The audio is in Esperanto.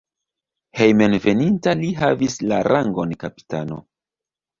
Hejmenveninta li havis la rangon kapitano.